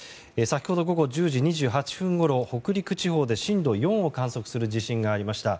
先ほど午後１０時２８分ごろ北陸地方で震度４を観測する地震がありました。